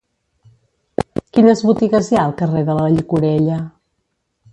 Quines botigues hi ha al carrer de la Llicorella?